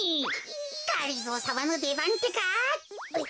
がりぞーさまのでばんってか。